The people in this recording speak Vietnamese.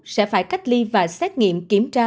sẽ phải cách ly và xét nghiệm kiểm tra